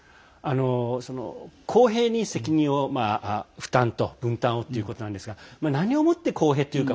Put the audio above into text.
公平に責任を負担と分担をということですが何を持って公平か。